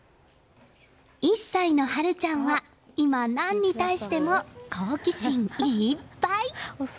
１歳の晴ちゃんは今何に対しても好奇心いっぱい！